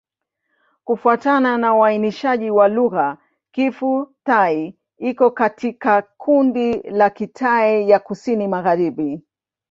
Kufuatana na uainishaji wa lugha, Kiphu-Thai iko katika kundi la Kitai ya Kusini-Magharibi.